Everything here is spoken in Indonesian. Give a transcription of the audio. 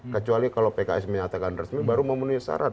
kecuali kalau pks menyatakan resmi baru memenuhi syarat